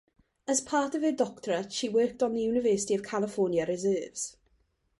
As part of her doctorate she worked on the University of California reserves.